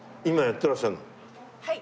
はい。